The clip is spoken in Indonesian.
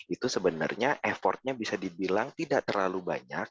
itu sebenarnya effortnya bisa dibilang tidak terlalu banyak